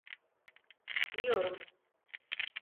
Yiyorum.